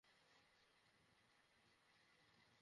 আমি ওকে ফোন করবো, ও আমাকে ফোন করবে।